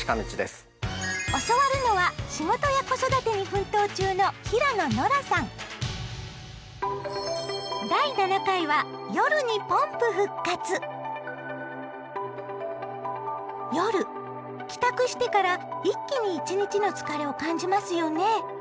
教わるのは仕事や子育てに奮闘中の夜帰宅してから一気に一日の疲れを感じますよね。